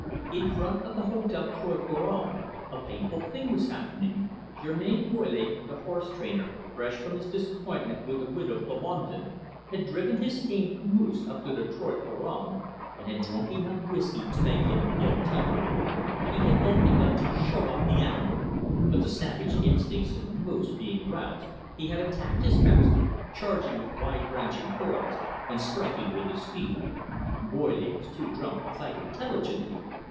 In front of the Hotel Trois Couronnes a painful thing was happening. Germain Boily, the horse trainer, fresh from his disappointment with the widow Plomondon, had driven his tamed moose up to the Trois Couronnes, and had drunk enough whiskey to make him ill tempered. He had then begun to "show off" the animal, but the savage instincts of the moose being roused, he had attacked his master, charging with wide branching horns, and striking with his feet. Boily was too drunk to fight intelligently.